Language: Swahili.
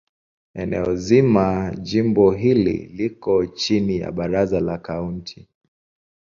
Eneo zima la jimbo hili liko chini ya Baraza la Kaunti.